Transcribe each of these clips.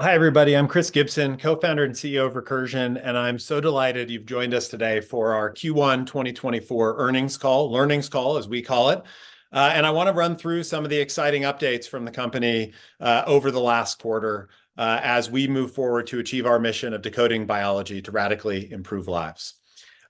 Hi, everybody. I'm Chris Gibson, co-founder and CEO of Recursion, and I'm so delighted you've joined us today for our Q1 2024 earnings call, learnings call, as we call it. And I wanna run through some of the exciting updates from the company over the last quarter as we move forward to achieve our mission of decoding biology to radically improve lives.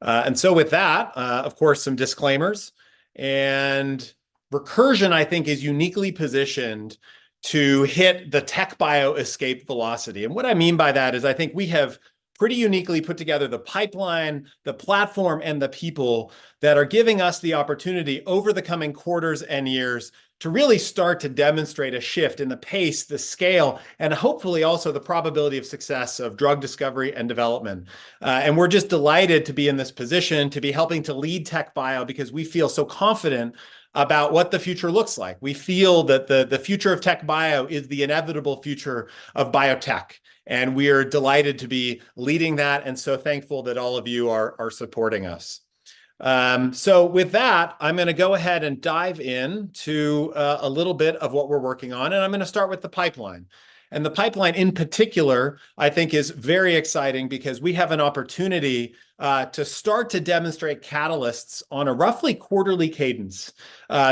And so with that, of course, some disclaimers, and Recursion, I think, is uniquely positioned to hit the tech bio escape velocity. And what I mean by that is, I think we have pretty uniquely put together the pipeline, the platform, and the people that are giving us the opportunity over the coming quarters and years to really start to demonstrate a shift in the pace, the scale, and hopefully, also the probability of success of drug discovery and development. And we're just delighted to be in this position, to be helping to lead tech bio, because we feel so confident about what the future looks like. We feel that the future of tech bio is the inevitable future of biotech, and we are delighted to be leading that, and so thankful that all of you are supporting us. So with that, I'm gonna go ahead and dive in to a little bit of what we're working on, and I'm gonna start with the pipeline. And the pipeline, in particular, I think is very exciting because we have an opportunity to start to demonstrate catalysts on a roughly quarterly cadence.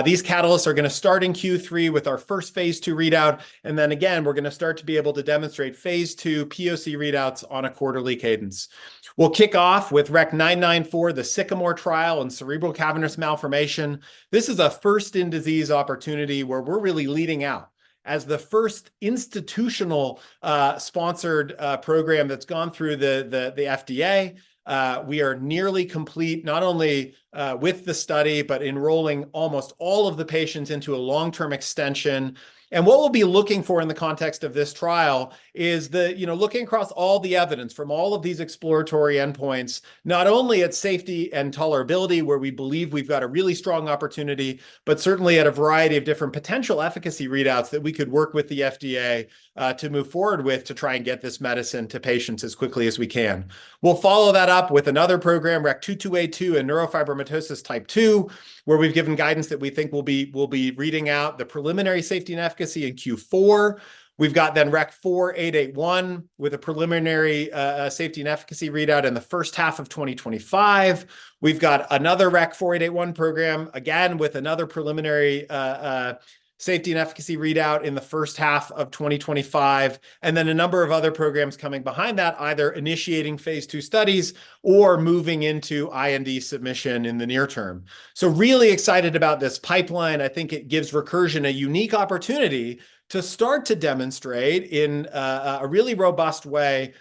These catalysts are gonna start in Q3 with our first phase II readout, and then again, we're gonna start to be able to demonstrate phase II POC readouts on a quarterly cadence. We'll kick off with REC-994, the Sycamore trial, and cerebral cavernous malformation. This is a first in disease opportunity, where we're really leading out. As the first institutional sponsored program that's gone through the FDA, we are nearly complete, not only with the study, but enrolling almost all of the patients into a long-term extension. And what we'll be looking for in the context of this trial is the... You know, looking across all the evidence from all of these exploratory endpoints, not only at safety and tolerability, where we believe we've got a really strong opportunity, but certainly at a variety of different potential efficacy readouts that we could work with the FDA to move forward with, to try and get this medicine to patients as quickly as we can. We'll follow that up with another program, REC-2282, in neurofibromatosis type 2, where we've given guidance that we think we'll be reading out the preliminary safety and efficacy in Q4. We've got then REC-4881, with a preliminary safety and efficacy readout in the first half of 2025. We've got another REC-4881 program, again, with another preliminary safety and efficacy readout in the first half of 2025. And then, a number of other programs coming behind that, either initiating phase II studies or moving into IND submission in the near term. So really excited about this pipeline. I think it gives Recursion a unique opportunity to start to demonstrate, in a really robust way,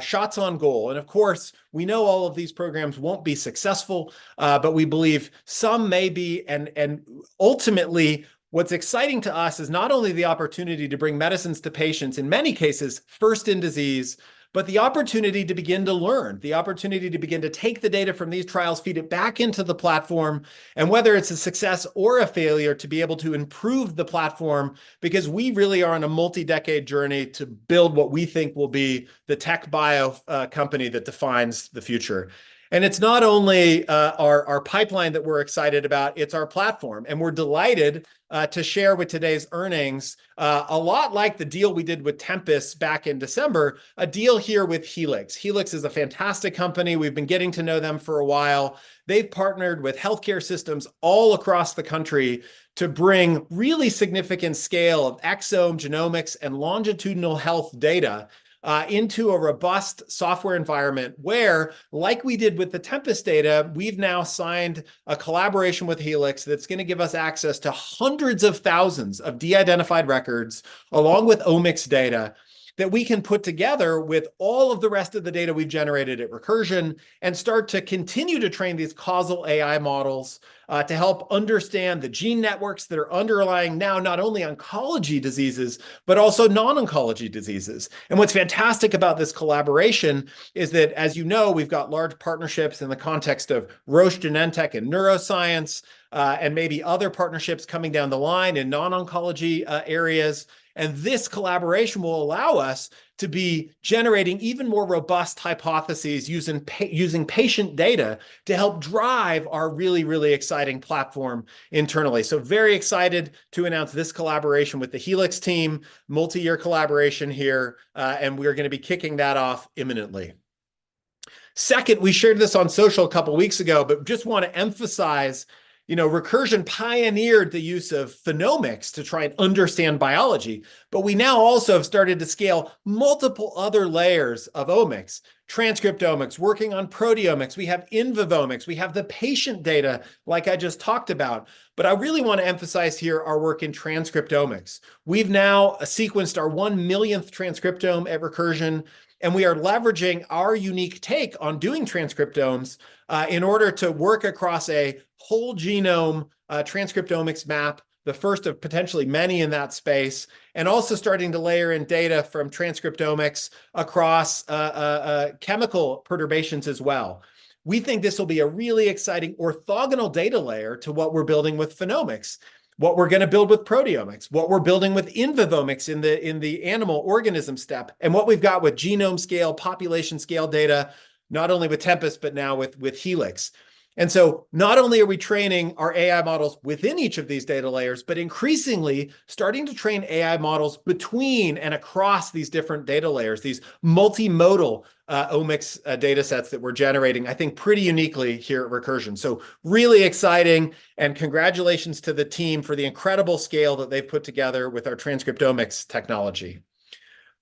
shots on goal. Of course, we know all of these programs won't be successful, but we believe some may be, and ultimately, what's exciting to us is not only the opportunity to bring medicines to patients, in many cases, first in disease, but the opportunity to begin to learn, the opportunity to begin to take the data from these trials, feed it back into the platform, and whether it's a success or a failure, to be able to improve the platform, because we really are on a multi-decade journey to build what we think will be the Techbio company that defines the future. It's not only our pipeline that we're excited about, it's our platform, and we're delighted to share with today's earnings, a lot like the deal we did with Tempus back in December, a deal here with Helix. Helix is a fantastic company. We've been getting to know them for a while. They've partnered with healthcare systems all across the country to bring really significant scale of exome genomics and longitudinal health data into a robust software environment, where, like we did with the Tempus data, we've now signed a collaboration with Helix that's gonna give us access to hundreds of thousands of de-identified records, along with Omics data, that we can put together with all of the rest of the data we've generated at Recursion and start to continue to train these causal AI models to help understand the gene networks that are underlying now, not only oncology diseases, but also non-oncology diseases. And what's fantastic about this collaboration is that, as you know, we've got large partnerships in the context of Roche, Genentech, and neuroscience, and maybe other partnerships coming down the line in non-oncology areas, and this collaboration will allow us to be generating even more robust hypotheses using patient data to help drive our really, really exciting platform internally. So very excited to announce this collaboration with the Helix team, multi-year collaboration here, and we are gonna be kicking that off imminently. Second, we shared this on social a couple weeks ago, but just wanna emphasize, you know, Recursion pioneered the use of phenomics to try and understand biology, but we now also have started to scale multiple other layers of omics: transcriptomics, working on proteomics. We have in vivo omics. We have the patient data, like I just talked about. But I really wanna emphasize here our work in transcriptomics. We've now sequenced our 1-millionth transcriptome at Recursion, and we are leveraging our unique take on doing transcriptomes in order to work across a whole genome transcriptomics map, the first of potentially many in that space, and also starting to layer in data from transcriptomics across chemical perturbations as well. We think this will be a really exciting orthogonal data layer to what we're building with phenomics, what we're gonna build with proteomics, what we're building with in vivo omics in the animal organism step, and what we've got with genome-scale, population-scale data, not only with Tempus, but now with Helix. And so not only are we training our AI models within each of these data layers, but increasingly starting to train AI models between and across these different data layers, these multimodal, omics, data sets that we're generating, I think, pretty uniquely here at Recursion. So really exciting, and congratulations to the team for the incredible scale that they've put together with our transcriptomics technology.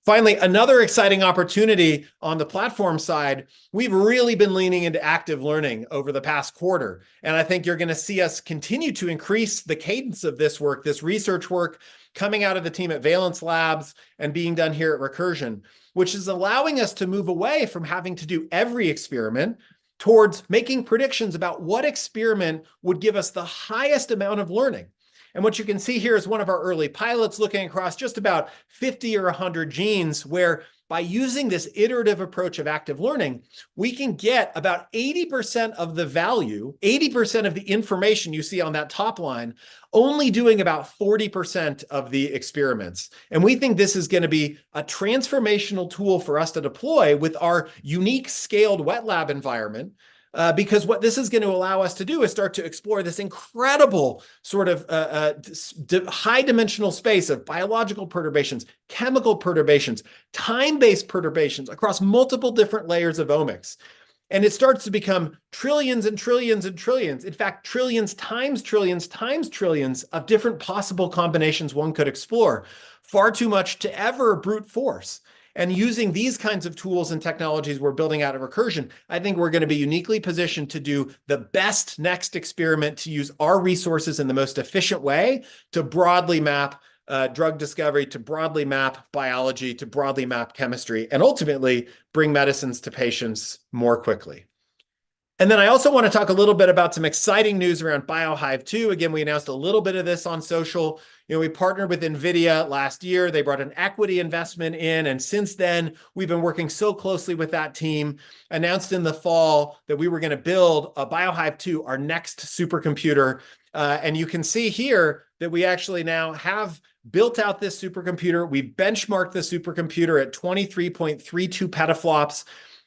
Finally, another exciting opportunity on the platform side, we've really been leaning into active learning over the past quarter, and I think you're gonna see us continue to increase the cadence of this work, this research work, coming out of the team at Valence Labs and being done here at Recursion, which is allowing us to move away from having to do every experiment, towards making predictions about what experiment would give us the highest amount of learning. What you can see here is one of our early pilots looking across just about 50 or 100 genes, where by using this iterative approach of active learning, we can get about 80% of the value, 80% of the information you see on that top line, only doing about 40% of the experiments. We think this is gonna be a transformational tool for us to deploy with our unique scaled wet lab environment, because what this is gonna allow us to do is start to explore this incredible sort of high-dimensional space of biological perturbations, chemical perturbations, time-based perturbations across multiple different layers of omics. It starts to become trillions and trillions and trillions, in fact, trillions times trillions times trillions of different possible combinations one could explore, far too much to ever brute force. Using these kinds of tools and technologies we're building out of Recursion, I think we're gonna be uniquely positioned to do the best next experiment, to use our resources in the most efficient way to broadly map drug discovery, to broadly map biology, to broadly map chemistry, and ultimately, bring medicines to patients more quickly. And then I also wanna talk a little bit about some exciting news around BioHive-2. Again, we announced a little bit of this on social. You know, we partnered with NVIDIA last year. They brought an equity investment in, and since then, we've been working so closely with that team. Announced in the fall that we were gonna build a BioHive-2, our next supercomputer. And you can see here that we actually now have built out this supercomputer. We benchmarked the supercomputer at 23.32 petaFLOPS.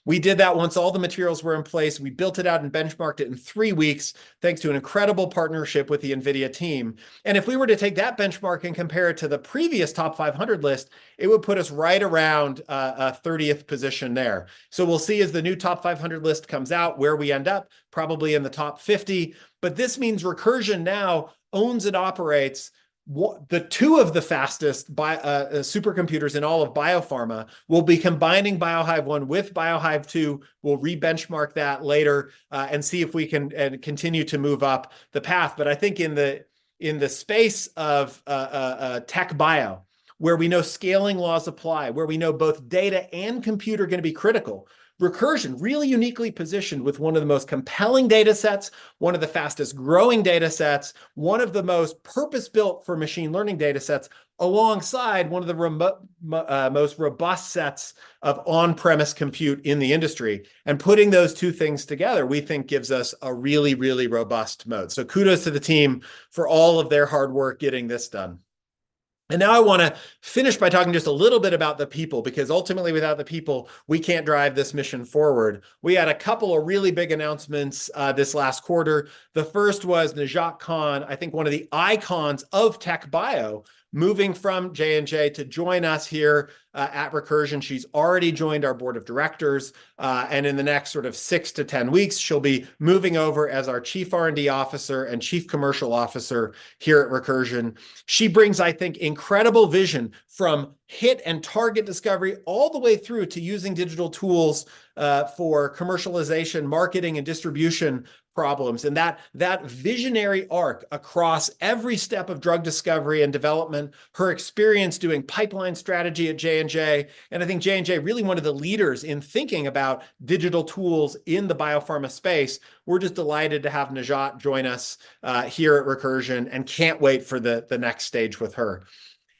We did that once all the materials were in place. We built it out and benchmarked it in three weeks, thanks to an incredible partnership with the NVIDIA team. If we were to take that benchmark and compare it to the previous top 500 list, it would put us right around a 30th position there. We'll see as the new top 500 list comes out, where we end up, probably in the top 50. This means Recursion now owns and operates the two of the fastest supercomputers in all of biopharma. We'll be combining BioHive-1 with BioHive-2. We'll re-benchmark that later, and see if we can continue to move up the path. But I think in the space of tech bio, where we know scaling laws apply, where we know both data and compute are gonna be critical, Recursion really uniquely positioned with one of the most compelling data sets, one of the fastest-growing data sets, one of the most purpose-built for machine learning data sets, alongside one of the most robust sets of on-premise compute in the industry. And putting those two things together, we think gives us a really, really robust moat. So kudos to the team for all of their hard work getting this done. And now I wanna finish by talking just a little bit about the people, because ultimately, without the people, we can't drive this mission forward. We had a couple of really big announcements this last quarter. The first was Najat Khan, I think one of the icons of tech bio, moving from J&J to join us here at Recursion. She's already joined our board of directors, and in the next sort of six-10 weeks, she'll be moving over as our Chief R&D Officer and Chief Commercial Officer here at Recursion. She brings, I think, incredible vision from hit and target discovery, all the way through to using digital tools for commercialization, marketing, and distribution problems, and that visionary arc across every step of drug discovery and development, her experience doing pipeline strategy at J&J, and I think J&J, really one of the leaders in thinking about digital tools in the biopharma space. We're just delighted to have Najat join us here at Recursion and can't wait for the next stage with her.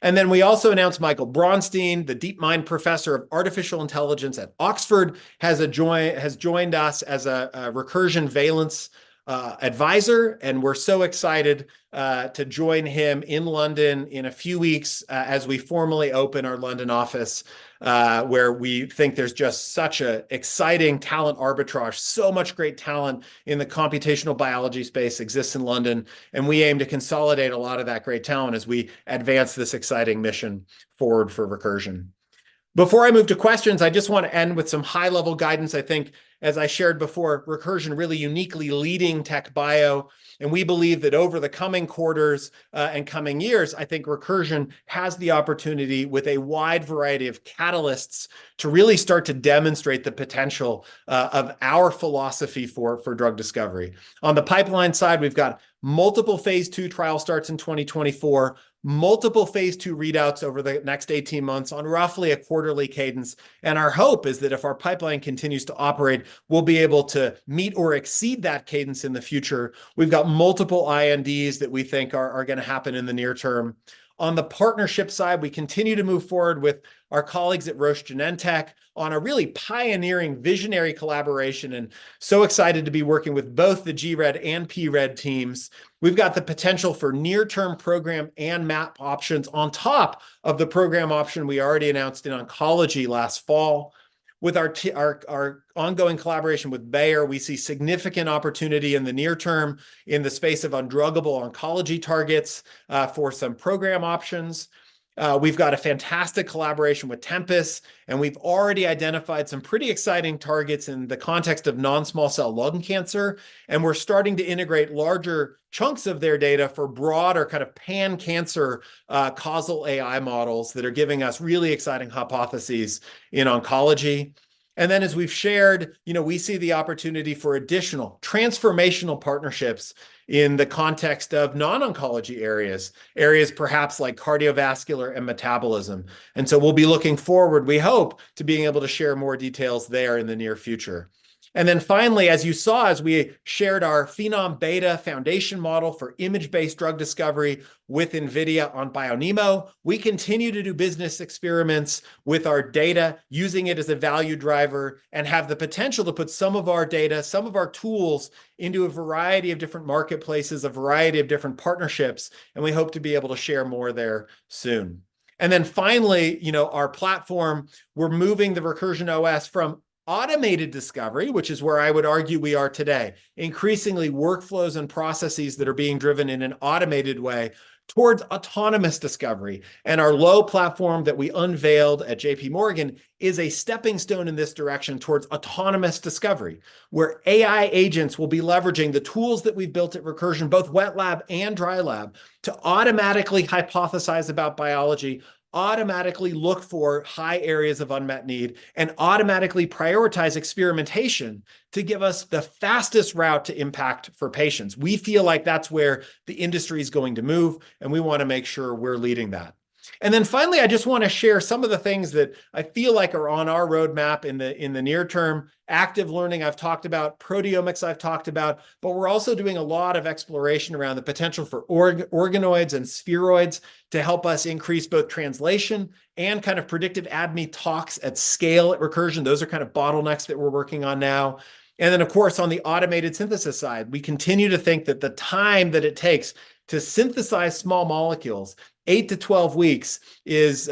Then we also announced Michael Bronstein, the DeepMind Professor of Artificial Intelligence at Oxford, has joined us as a Recursion Valence advisor, and we're so excited to join him in London in a few weeks as we formally open our London office, where we think there's just such an exciting talent arbitrage, so much great talent in the computational biology space exists in London, and we aim to consolidate a lot of that great talent as we advance this exciting mission forward for Recursion. Before I move to questions, I just want to end with some high-level guidance. I think, as I shared before, Recursion really uniquely leading tech bio, and we believe that over the coming quarters, and coming years, I think Recursion has the opportunity, with a wide variety of catalysts, to really start to demonstrate the potential, of our philosophy for, for drug discovery. On the pipeline side, we've got multiple phase II trial starts in 2024, multiple phase II readouts over the next 18 months on roughly a quarterly cadence, and our hope is that if our pipeline continues to operate, we'll be able to meet or exceed that cadence in the future. We've got multiple INDs that we think are, are gonna happen in the near term. On the partnership side, we continue to move forward with our colleagues at Roche Genentech on a really pioneering, visionary collaboration, and so excited to be working with both the gRED and pRED teams. We've got the potential for near-term program and map options on top of the program option we already announced in oncology last fall. With our ongoing collaboration with Bayer, we see significant opportunity in the near term in the space of undruggable oncology targets for some program options. We've got a fantastic collaboration with Tempus, and we've already identified some pretty exciting targets in the context of non-small cell lung cancer, and we're starting to integrate larger chunks of their data for broader, kind of pan-cancer causal AI models that are giving us really exciting hypotheses in oncology. And then, as we've shared, you know, we see the opportunity for additional transformational partnerships in the context of non-oncology areas, areas perhaps like cardiovascular and metabolism. And then finally, as you saw, as we shared our Phenom-Beta foundation model for image-based drug discovery with NVIDIA on BioNeMo, we continue to do business experiments with our data, using it as a value driver, and have the potential to put some of our data, some of our tools, into a variety of different marketplaces, a variety of different partnerships, and we hope to be able to share more there soon. Then finally, you know, our platform, we're moving the Recursion OS from automated discovery, which is where I would argue we are today, increasingly workflows and processes that are being driven in an automated way, towards autonomous discovery. Our new platform that we unveiled at JPMorgan is a stepping stone in this direction towards autonomous discovery, where AI agents will be leveraging the tools that we've built at Recursion, both wet lab and dry lab, to automatically hypothesize about biology, automatically look for high areas of unmet need, and automatically prioritize experimentation to give us the fastest route to impact for patients. We feel like that's where the industry is going to move, and we wanna make sure we're leading that. Then finally, I just wanna share some of the things that I feel like are on our roadmap in the near term. Active learning, I've talked about. Proteomics, I've talked about. But we're also doing a lot of exploration around the potential for organoids and spheroids to help us increase both translation and kind of predictive ADME tox at scale at Recursion. Those are kind of bottlenecks that we're working on now. And then, of course, on the automated synthesis side, we continue to think that the time that it takes to synthesize small molecules, eight-12 weeks, is...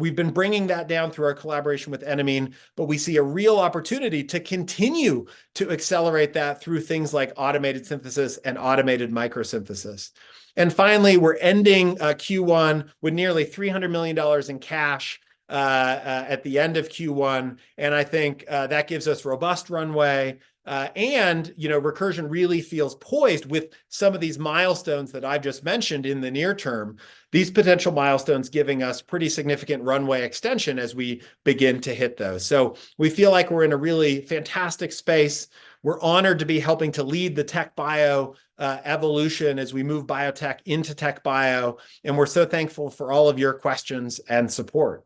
We've been bringing that down through our collaboration with Enamine, but we see a real opportunity to continue to accelerate that through things like automated synthesis and automated microsynthesis. And finally, we're ending Q1 with nearly $300 million in cash at the end of Q1, and I think that gives us robust runway. And, you know, Recursion really feels poised with some of these milestones that I've just mentioned in the near term, these potential milestones giving us pretty significant runway extension as we begin to hit those. So we feel like we're in a really fantastic space. We're honored to be helping to lead the tech bio evolution as we move biotech into tech bio, and we're so thankful for all of your questions and support.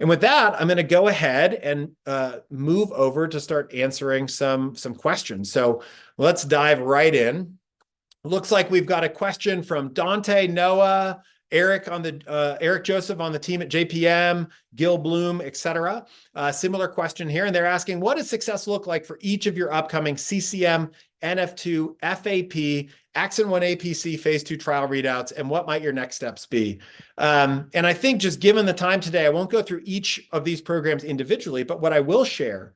And with that, I'm gonna go ahead and move over to start answering some questions. So let's dive right in. Looks like we've got a question from Dante Noah, Eric on the, Eric Joseph on the team at JPM, Gil Blum, et cetera. Similar question here, and they're asking: "What does success look like for each of your upcoming CCM, NF2, FAP, AXIN1/APC phase II trial readouts, and what might your next steps be?" I think just given the time today, I won't go through each of these programs individually, but what I will share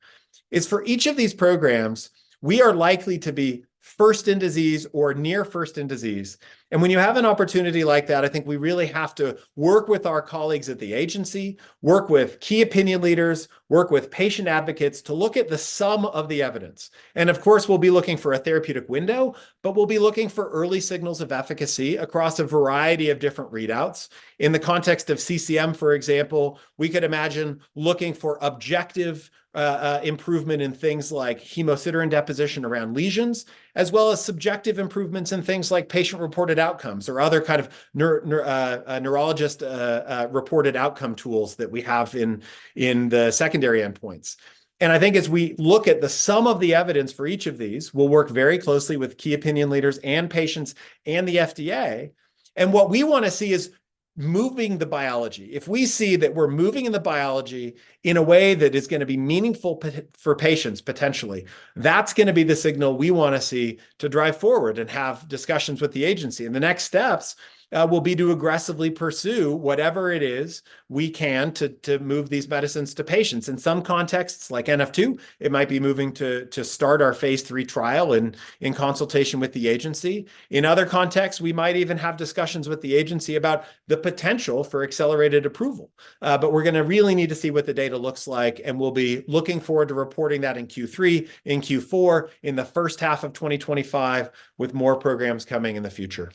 is for each of these programs, we are likely to be first in disease or near first in disease. When you have an opportunity like that, I think we really have to work with our colleagues at the agency, work with key opinion leaders, work with patient advocates to look at the sum of the evidence. Of course, we'll be looking for a therapeutic window, but we'll be looking for early signals of efficacy across a variety of different readouts. In the context of CCM, for example, we could imagine looking for objective improvement in things like hemosiderin deposition around lesions, as well as subjective improvements in things like patient-reported outcomes or other kind of neurologist reported outcome tools that we have in the secondary endpoints. And I think as we look at the sum of the evidence for each of these, we'll work very closely with key opinion leaders and patients and the FDA, and what we wanna see is moving the biology. If we see that we're moving in the biology in a way that is gonna be meaningful for patients, potentially, that's gonna be the signal we wanna see to drive forward and have discussions with the agency. The next steps will be to aggressively pursue whatever it is we can to move these medicines to patients. In some contexts, like NF2, it might be moving to start our phase III trial in consultation with the agency. In other contexts, we might even have discussions with the agency about the potential for accelerated approval. But we're gonna really need to see what the data looks like, and we'll be looking forward to reporting that in Q3, in Q4, in the first half of 2025, with more programs coming in the future...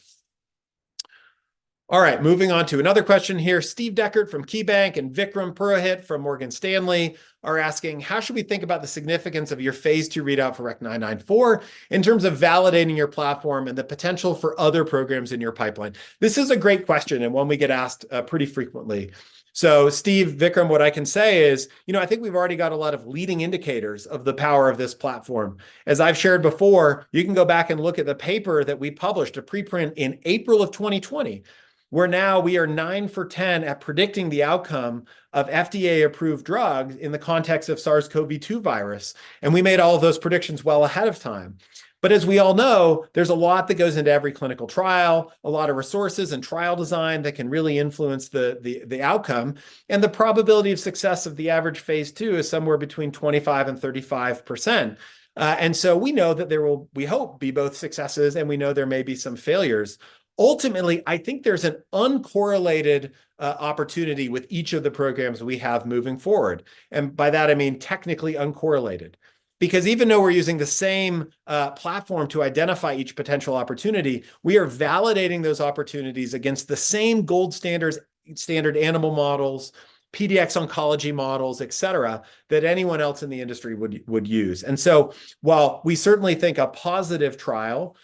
All right, moving on to another question here. Steve Decker from KeyBanc and Vikram Purohit from Morgan Stanley are asking, "How should we think about the significance of your phase II readout for REC-994 in terms of validating your platform and the potential for other programs in your pipeline?" This is a great question, and one we get asked pretty frequently. So Steve, Vikram, what I can say is, you know, I think we've already got a lot of leading indicators of the power of this platform. As I've shared before, you can go back and look at the paper that we published, a preprint in April of 2020, where now we are nine for 10 at predicting the outcome of FDA-approved drugs in the context of SARS-CoV-2 virus, and we made all of those predictions well ahead of time. But as we all know, there's a lot that goes into every clinical trial, a lot of resources and trial design that can really influence the outcome, and the probability of success of the average phase II is somewhere between 25%-35%. And so we know that there will, we hope, be both successes, and we know there may be some failures. Ultimately, I think there's an uncorrelated opportunity with each of the programs we have moving forward, and by that I mean technically uncorrelated. Because even though we're using the same platform to identify each potential opportunity, we are validating those opportunities against the same gold standards, standard animal models, PDX oncology models, et cetera, that anyone else in the industry would use. And so while we certainly think a positive trial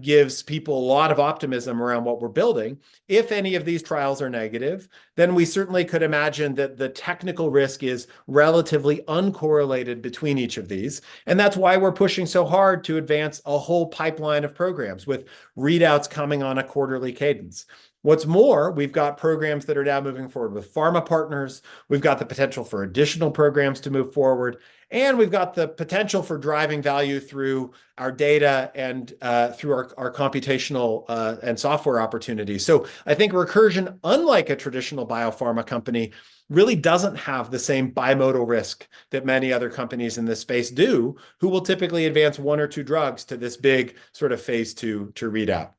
gives people a lot of optimism around what we're building, if any of these trials are negative, then we certainly could imagine that the technical risk is relatively uncorrelated between each of these, and that's why we're pushing so hard to advance a whole pipeline of programs, with readouts coming on a quarterly cadence. What's more, we've got programs that are now moving forward with pharma partners, we've got the potential for additional programs to move forward, and we've got the potential for driving value through our data and through our computational and software opportunities. So I think Recursion, unlike a traditional biopharma company, really doesn't have the same bimodal risk that many other companies in this space do, who will typically advance one or two drugs to this big sort of phase II readout.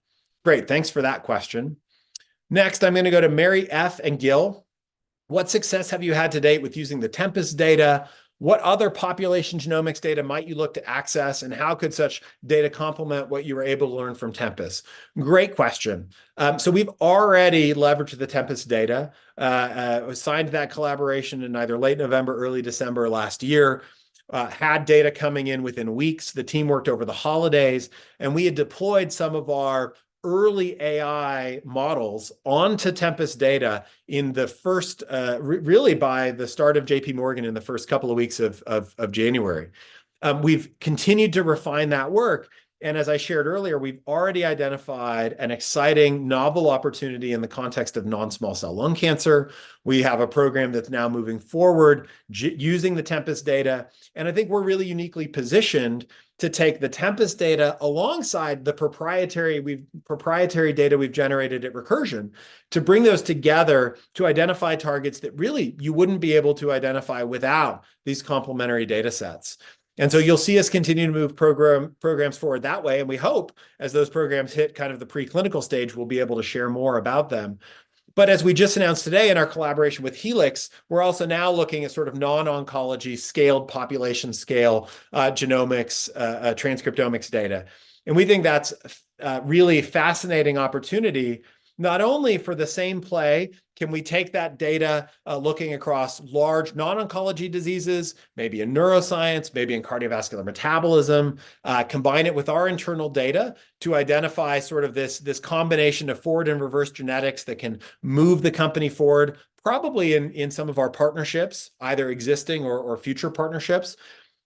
Great, thanks for that question. Next, I'm gonna go to Mary F. and Gil: "What success have you had to date with using the Tempus data? What other population genomics data might you look to access, and how could such data complement what you were able to learn from Tempus?" Great question. So we've already leveraged the Tempus data. We signed that collaboration in either late November or early December last year, had data coming in within weeks. The team worked over the holidays, and we had deployed some of our early AI models onto Tempus data in the first, really by the start of JPMorgan in the first couple of weeks of January. We've continued to refine that work, and as I shared earlier, we've already identified an exciting, novel opportunity in the context of non-small cell lung cancer. We have a program that's now moving forward, using the Tempus data, and I think we're really uniquely positioned to take the Tempus data alongside the proprietary data we've generated at Recursion, to bring those together to identify targets that really you wouldn't be able to identify without these complementary data sets. And so you'll see us continue to move programs forward that way, and we hope, as those programs hit kind of the preclinical stage, we'll be able to share more about them. But as we just announced today in our collaboration with Helix, we're also now looking at sort of non-oncology scaled, population scale, genomics, transcriptomics data. And we think that's a really fascinating opportunity, not only for the same play. Can we take that data, looking across large non-oncology diseases, maybe in neuroscience, maybe in cardiovascular metabolism, combine it with our internal data to identify sort of this, this combination of forward and reverse genetics that can move the company forward, probably in, in some of our partnerships, either existing or, or future partnerships.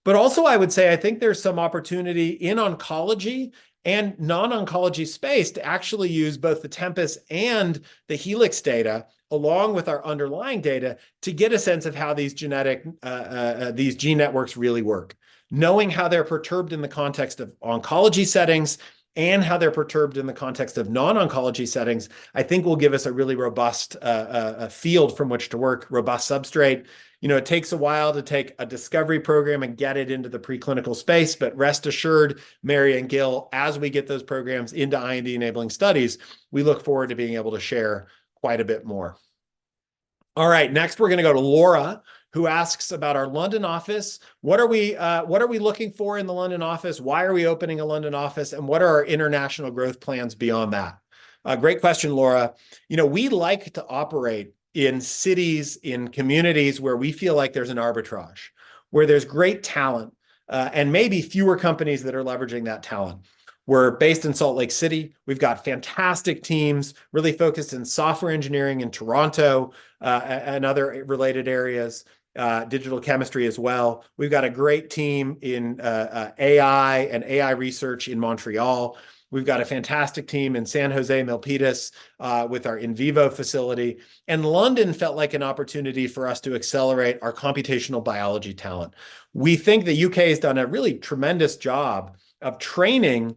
But also, I would say I think there's some opportunity in oncology and non-oncology space to actually use both the Tempus and the Helix data, along with our underlying data, to get a sense of how these genetic, these gene networks really work. Knowing how they're perturbed in the context of oncology settings and how they're perturbed in the context of non-oncology settings, I think will give us a really robust, a field from which to work, robust substrate. You know, it takes a while to take a discovery program and get it into the preclinical space, but rest assured, Mary and Gil, as we get those programs into IND-enabling studies, we look forward to being able to share quite a bit more. All right, next, we're gonna go to Laura, who asks about our London office. "What are we looking for in the London office? Why are we opening a London office, and what are our international growth plans beyond that?" Great question, Laura. You know, we like to operate in cities, in communities, where we feel like there's an arbitrage, where there's great talent, and maybe fewer companies that are leveraging that talent. We're based in Salt Lake City. We've got fantastic teams, really focused in software engineering in Toronto, and other related areas, digital chemistry as well. We've got a great team in AI and AI research in Montreal. We've got a fantastic team in San Jose, Milpitas, with our in vivo facility, and London felt like an opportunity for us to accelerate our computational biology talent. We think the U.K. has done a really tremendous job of training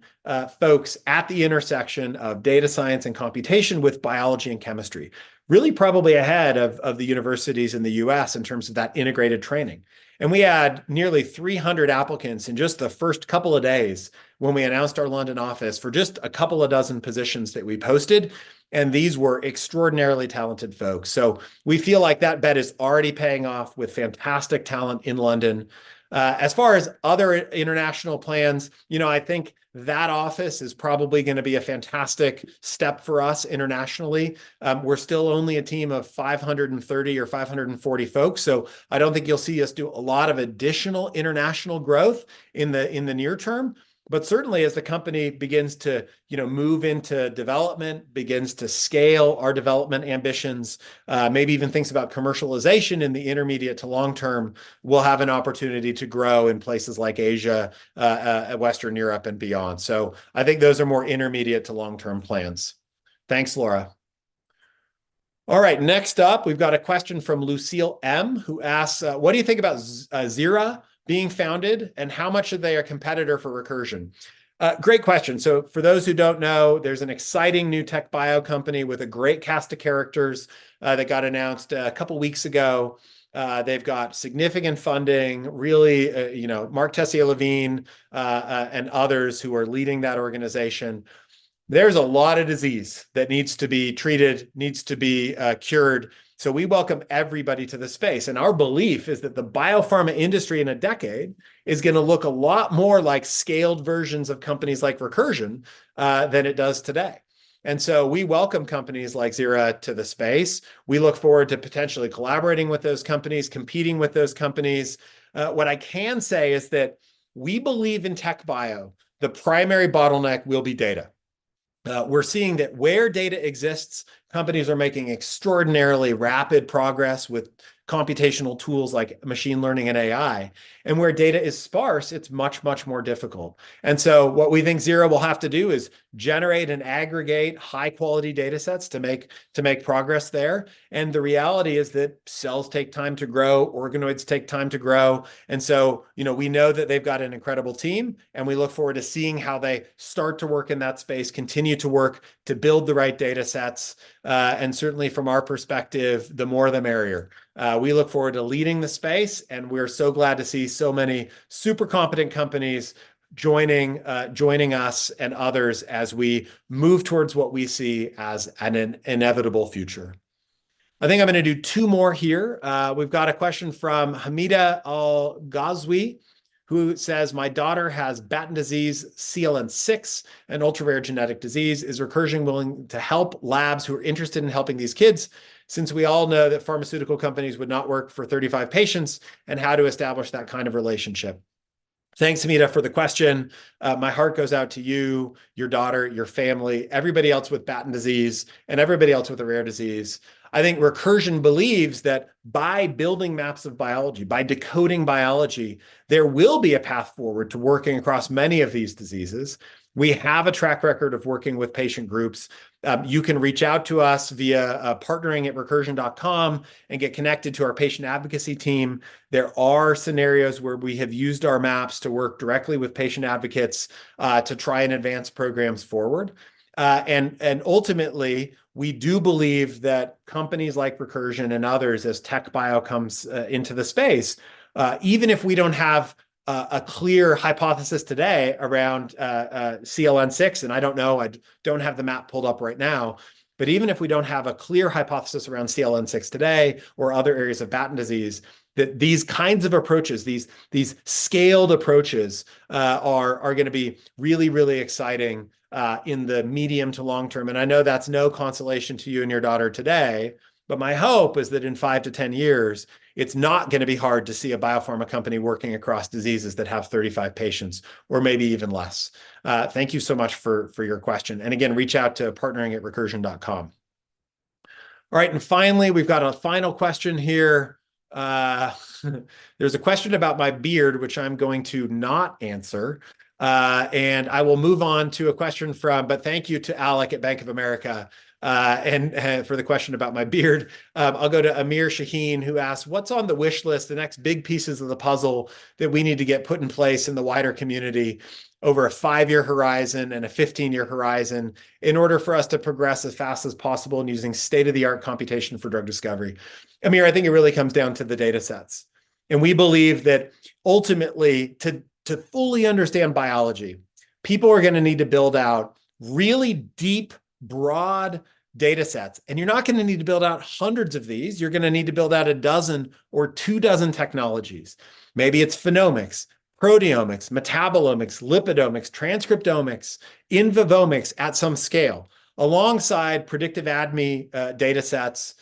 folks at the intersection of data science and computation with biology and chemistry, really probably ahead of the universities in the U.S. in terms of that integrated training. And we had nearly 300 applicants in just the first couple of days when we announced our London office for just a couple of dozen positions that we posted, and these were extraordinarily talented folks. So we feel like that bet is already paying off with fantastic talent in London. As far as other international plans, you know, I think-... That office is probably gonna be a fantastic step for us internationally. We're still only a team of 530 or 540 folks, so I don't think you'll see us do a lot of additional international growth in the, in the near term. But certainly, as the company begins to, you know, move into development, begins to scale our development ambitions, maybe even thinks about commercialization in the intermediate to long term, we'll have an opportunity to grow in places like Asia, Western Europe, and beyond. So I think those are more intermediate to long-term plans. Thanks, Laura. All right, next up, we've got a question from Lucille M, who asks, "What do you think about Xaira being founded, and how much are they a competitor for Recursion?" Great question. So for those who don't know, there's an exciting new tech bio company with a great cast of characters, that got announced a couple of weeks ago. They've got significant funding, really, you know, Marc Tessier-Lavigne, and others who are leading that organization. There's a lot of disease that needs to be treated, needs to be, cured, so we welcome everybody to the space. And our belief is that the biopharma industry in a decade is gonna look a lot more like scaled versions of companies like Recursion, than it does today. And so we welcome companies like Xaira to the space. We look forward to potentially collaborating with those companies, competing with those companies. What I can say is that we believe in tech bio, the primary bottleneck will be data. We're seeing that where data exists, companies are making extraordinarily rapid progress with computational tools like machine learning and AI. Where data is sparse, it's much, much more difficult. So what we think Xaira will have to do is generate and aggregate high-quality data sets to make, to make progress there. The reality is that cells take time to grow, organoids take time to grow. So, you know, we know that they've got an incredible team, and we look forward to seeing how they start to work in that space, continue to work to build the right data sets. Certainly from our perspective, the more the merrier. We look forward to leading the space, and we're so glad to see so many super competent companies joining, joining us and others as we move towards what we see as an inevitable future. I think I'm gonna do two more here. We've got a question from Hamida Al Gazwi, who says, "My daughter has Batten disease, CLN6, an ultra-rare genetic disease. Is Recursion willing to help labs who are interested in helping these kids, since we all know that pharmaceutical companies would not work for 35 patients, and how to establish that kind of relationship?" Thanks, Hamida, for the question. My heart goes out to you, your daughter, your family, everybody else with Batten disease, and everybody else with a rare disease. I think Recursion believes that by building maps of biology, by decoding biology, there will be a path forward to working across many of these diseases. We have a track record of working with patient groups. You can reach out to us via partnering@recursion.com and get connected to our patient advocacy team. There are scenarios where we have used our maps to work directly with patient advocates to try and advance programs forward. And ultimately, we do believe that companies like Recursion and others, as tech bio comes into the space, even if we don't have a clear hypothesis today around CLN6, and I don't know, I don't have the map pulled up right now, but even if we don't have a clear hypothesis around CLN6 today or other areas of Batten disease, that these kinds of approaches, these scaled approaches, are gonna be really exciting in the medium to long term. And I know that's no consolation to you and your daughter today, but my hope is that in five to 10 years, it's not gonna be hard to see a biopharma company working across diseases that have 35 patients or maybe even less. Thank you so much for your question, and again, reach out to partnering@recursion.com. All right, and finally, we've got a final question here. There's a question about my beard, which I'm going to not answer. And I will move on to a question from... But thank you to Alec at Bank of America for the question about my beard. I'll go to Amir Shaheen, who asks, "What's on the wish list, the next big pieces of the puzzle, that we need to get put in place in the wider community over a five-year horizon and a 15-year horizon in order for us to progress as fast as possible in using state-of-the-art computation for drug discovery?" Amir, I think it really comes down to the data sets. We believe that ultimately, to fully understand biology, people are gonna need to build out really deep, broad data sets. You're not gonna need to build out hundreds of these, you're gonna need to build out 12 or 24 technologies. Maybe it's phenomics, proteomics, metabolomics, lipidomics, transcriptomics, invivomics at some scale, alongside predictive ADME data sets,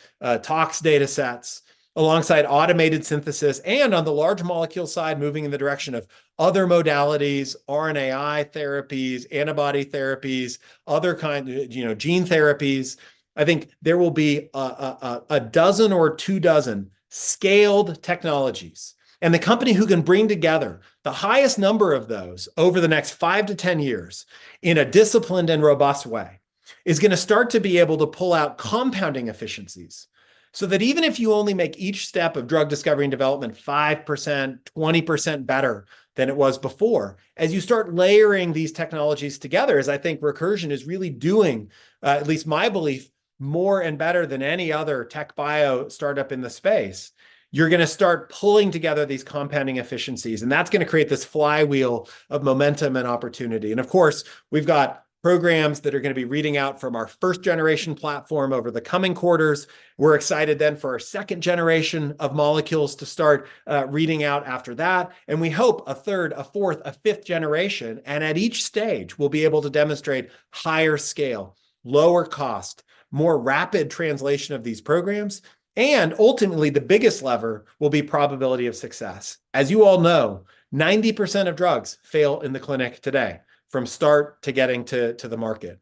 tox data sets, alongside automated synthesis, and on the large molecule side, moving in the direction of other modalities, RNAi therapies, antibody therapies, other kind, you know, gene therapies. I think there will be a dozen or two dozen scaled technologies, and the company who can bring together the highest number of those over the next five-10 years in a disciplined and robust way, is gonna start to be able to pull out compounding efficiencies. So that even if you only make each step of drug discovery and development 5%, 20% better than it was before, as you start layering these technologies together, as I think Recursion is really doing, at least my belief, more and better than any other tech bio startup in the space, you're gonna start pulling together these compounding efficiencies, and that's gonna create this flywheel of momentum and opportunity. And of course, we've got programs that are gonna be reading out from our first-generation platform over the coming quarters. We're excited then for our second generation of molecules to start, reading out after that, and we hope a third, a fourth, a fifth generation. And at each stage, we'll be able to demonstrate higher scale, lower cost, more rapid translation of these programs, and ultimately, the biggest lever will be probability of success. As you all know, 90% of drugs fail in the clinic today, from start to getting to the market.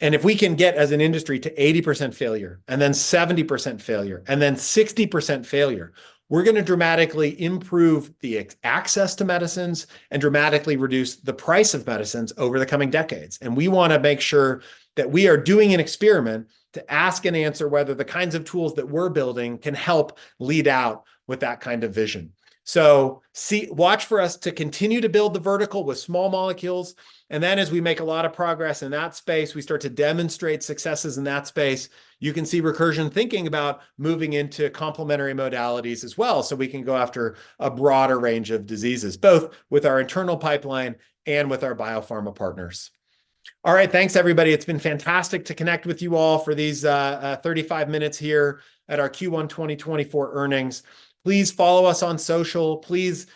If we can get, as an industry, to 80% failure, and then 70% failure, and then 60% failure, we're gonna dramatically improve the access to medicines and dramatically reduce the price of medicines over the coming decades. We wanna make sure that we are doing an experiment to ask and answer whether the kinds of tools that we're building can help lead out with that kind of vision. So, watch for us to continue to build the vertical with small molecules, and then as we make a lot of progress in that space, we start to demonstrate successes in that space, you can see Recursion thinking about moving into complementary modalities as well, so we can go after a broader range of diseases, both with our internal pipeline and with our biopharma partners. All right. Thanks, everybody. It's been fantastic to connect with you all for these 35 minutes here at our Q1 2024 earnings. Please follow us on social. Please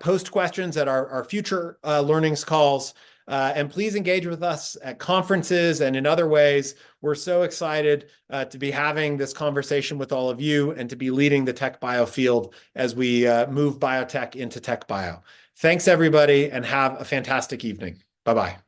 post questions at our future earnings calls, and please engage with us at conferences and in other ways. We're so excited to be having this conversation with all of you and to be leading the tech bio field as we move biotech into tech bio. Thanks, everybody, and have a fantastic evening. Bye-bye.